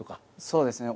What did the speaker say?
そうですね